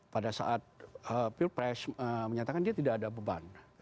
pada saat pilpres menyatakan dia tidak ada beban